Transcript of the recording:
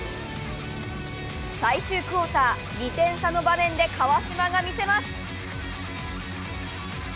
最終クオーター、２点差の場面で川島が見せます。